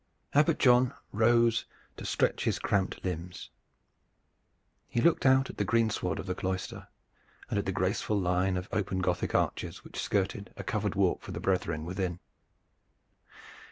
Abbot John rose to stretch his cramped limbs. He looked out at the greensward of the cloister, and at the graceful line of open Gothic arches which skirted a covered walk for the brethren within.